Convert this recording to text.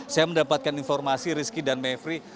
saya mendapatkan informasi rizky dan mevri